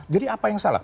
jadi apa yang salah